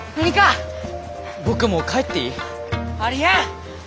僕もう帰っていい？ありえん！